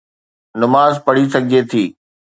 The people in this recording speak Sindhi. نماز پڙهي سگهجي ٿي.